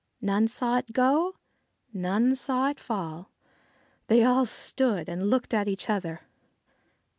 None saw it go ; none saw it fall. They all stood and looked at each other.